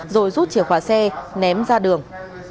rồi rút chìa khóa xe ném ra đường